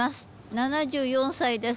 ７４歳です。